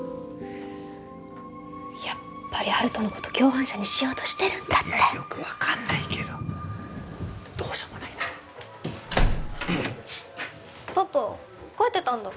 やっぱり温人のこと共犯者にしようとしてるんだっていやよく分かんないけどどうしようもないだろパパ帰ってたんだ